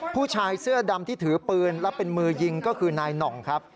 ผู้ชายเสื้อดำที่ถือปืนและเป็นมือยิงก็คือนายหน่องครับ